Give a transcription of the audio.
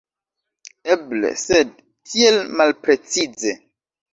Eble, sed tiel malprecize.